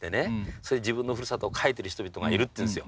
それで自分のふるさとを描いてる人々がいるっていうんですよ。